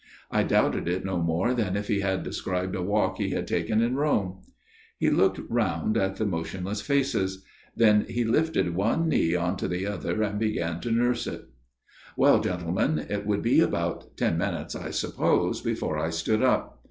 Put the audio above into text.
I doubted it no more than if he had described a walk he had taken in Rome. FATHER GIRDLESTONE'S TALE 101 He looked round at the motionless faces ; then he lifted one knee on to the other and began to nurse it. " Well, gentlemen ; it would be about ten minutes I suppose before I stood up.